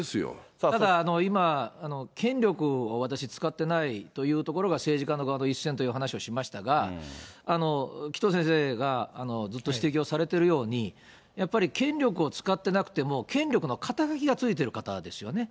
ただ、今、権力を私使ってないというところが政治家の側の一線という話をしましたが、紀藤先生が、ずっと指摘をされてるように、やっぱり権力を使ってなくても、権力の肩書がついてる方ですよね。